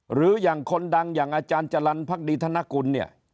หรืออย่างคนดังอย่างอาจารย์จรรย์พักดีธนกุลเนี่ย